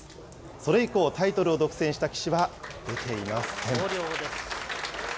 それ以降、タイトルを独占した棋士は出ていません。